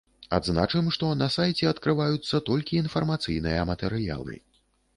Адзначым, што на сайце адкрываюцца толькі інфармацыйныя матэрыялы.